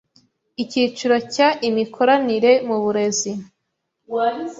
Icyiciro cya Imikoranire mu burezi